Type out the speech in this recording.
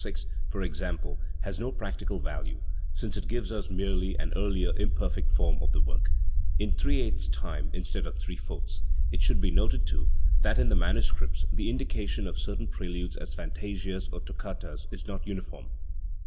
6), for example, has no practical value, since it gives us merely an earlier, imperfect form of the work in 3 /a time in stead of 3 /4* It should be noted, too, that in the manu scripts the indication of certain preludes as fantasias or toccatas is not uniform.